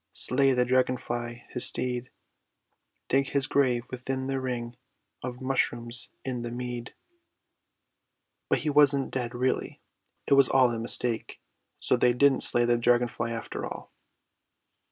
Slay the dragonfly, his steed; Dig his grave within the ring Of the mushrooms in the mead. G. W. THORNBURY. (_But he wasn't dead really. It was all a mistake. So they didn't slay the dragonfly after all.